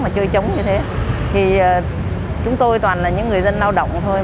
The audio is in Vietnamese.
nó chơi trống như thế thì chúng tôi toàn là những người dân lao động thôi